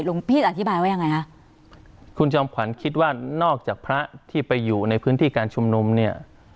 พี่อธิบายว่ายังไงคะคุณจอมขวัญคิดว่านอกจากพระที่ไปอยู่ในพื้นที่การชุมนุมเนี่ย